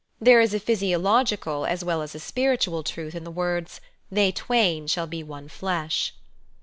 There is a physiological as well as a spiritual truth in the words " they twain shall be one flesh."